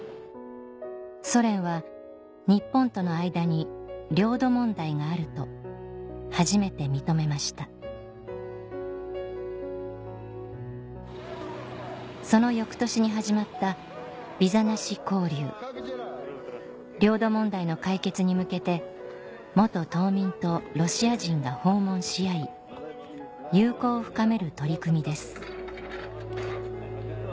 ソ連は日本との間に領土問題があると初めて認めましたその翌年に始まった領土問題の解決に向けて島民とロシア人が訪問し合い友好を深める取り組みです